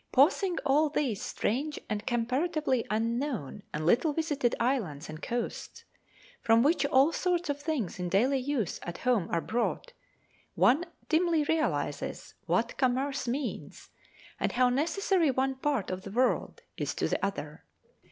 Passing all these strange and comparatively unknown and little visited islands and coasts, from which all sorts of things in daily use at home are brought, one dimly realises what commerce means and how necessary one part of the world is to the other.